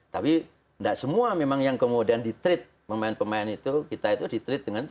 tapi tidak semua memang yang kemudian di treat pemain pemain itu kita itu di treat dengan